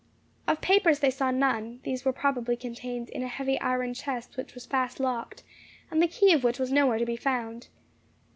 Of papers they saw none; these were probably contained in a heavy iron chest which was fast locked, and the key of which was nowhere to be found.